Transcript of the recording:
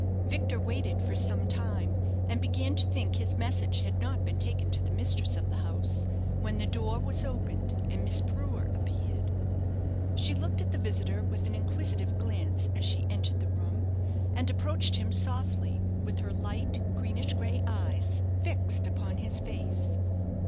Victor waited for some time, and began to think his message had not been taken to the mistress of the house, when the door was opened, and Miss Brewer appeared. She looked at the visitor with an inquisitive glance as she entered the room, and approached him softly, with her light, greenish grey eyes fixed upon his face.